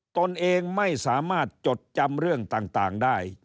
ตนเองไม่สามารถจดจำเรื่องต่างได้